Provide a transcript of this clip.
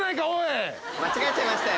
間違えちゃいましたよ。